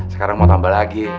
sekarang mau tambah lagi